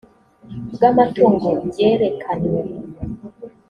bw amatungo byerekanywe